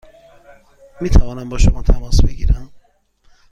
می توانم با شما تماس بگیرم؟